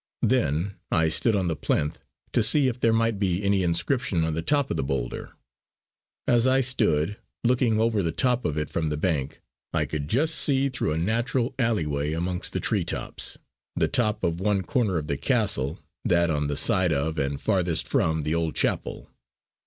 Then I stood on the plinth to see if there might be any inscription on the top of the boulder. As I stood, looking over the top of it from the bank, I could just see through a natural alleyway amongst the tree tops, the top of one corner of the castle, that on the side of, and farthest from the old chapel.